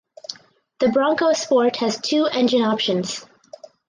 The Bronco Sport has two engine options.